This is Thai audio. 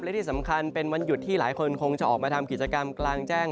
และที่สำคัญเป็นวันหยุดที่หลายคนคงจะออกมาทำกิจกรรมกลางแจ้ง